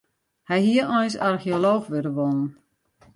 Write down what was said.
Hy hie eins archeolooch wurde wollen.